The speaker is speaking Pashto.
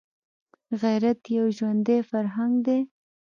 غیرت یو ژوندی فرهنګ دی